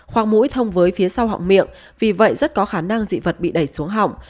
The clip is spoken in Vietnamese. khoang mũi thông với phía sau họng miệng vì vậy rất có khả năng dị vật bị đẩy xuống hỏng